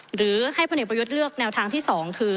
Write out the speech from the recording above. หรือให้พลเอกประยุทธ์เลือกแนวทางที่๒คือ